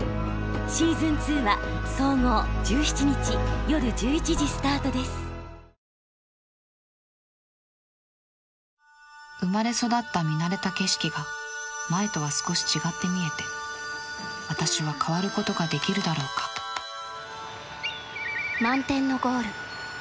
シーズン２は総合生まれ育った見慣れた景色が前とは少し違って見えて私は変わることができるだろうか「満天のゴール」。